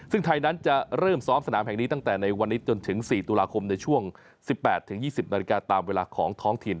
ซึ่งไทยนั้นจะเริ่มซ้อมสนามแห่งนี้ตั้งแต่ในวันนี้จนถึง๔ตุลาคมในช่วง๑๘๒๐นาฬิกาตามเวลาของท้องถิ่น